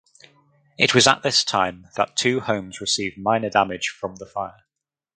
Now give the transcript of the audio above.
It was at this time that two homes received minor damage from the fire.